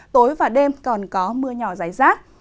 tối và đêm còn có mưa nhỏ rải rác